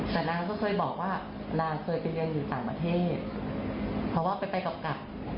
แต่นางก็เคยบอกว่านางเคยไปเรียนอยู่ต่างประเทศเพราะว่าไปกลับ